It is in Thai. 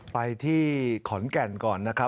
ไปที่ขอนแก่นก่อนนะครับ